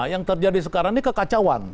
yang terjadi sekarang ini kekacauan